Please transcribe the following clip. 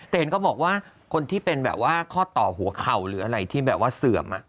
แต่เห็นก็บอกว่าคนที่เป็นแบบว่าข้อต่อหัวเข่าหรืออะไรที่แบบว่าเสื่อม